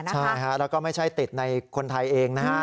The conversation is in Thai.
ใช่แล้วก็ไม่ใช่ติดในคนไทยเองนะฮะ